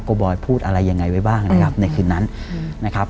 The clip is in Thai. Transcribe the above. บอยพูดอะไรยังไงไว้บ้างนะครับในคืนนั้นนะครับ